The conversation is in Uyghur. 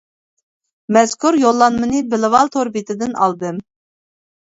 -مەزكۇر يوللانمىنى بىلىۋال تور بېتىدىن ئالدىم.